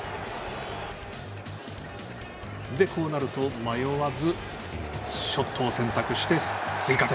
こうなると迷わずショットを選択して追加点。